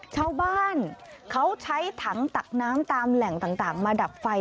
ชาวบ้านเขาใช้ถังตักน้ำตามแหล่งต่างมาดับไฟ